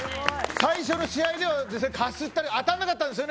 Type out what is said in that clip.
最初の試合ではかすったり当たらなかったんですよね